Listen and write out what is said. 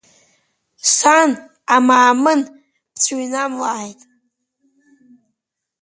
Сан, амаамын бцәыҩнамлааит…